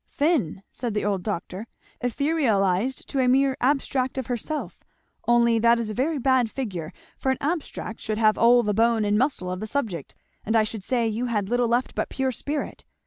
"Thin!" said the old doctor, "etherealized to a mere abstract of herself; only that is a very bad figure, for an abstract should have all the bone and muscle of the subject; and I should say you had little left but pure spirit.